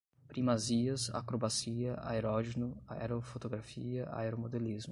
primazias, acrobacia, aeródino, aerofotografia, aeromodelismo